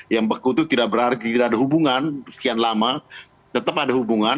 yang beku itu tidak berarti tidak ada hubungan sekian lama tetap ada hubungan